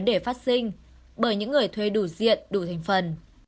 đủ diện đủ thành phần